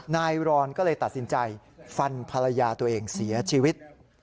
รอนก็เลยตัดสินใจฟันภรรยาตัวเองเสียชีวิต